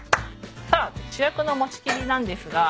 さあ主役のもちきびなんですが。